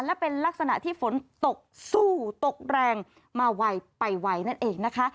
และเป็นลักษณะที่ฝนตกสู้ตกแรงมาไวไปไวนั่นเองนะคะ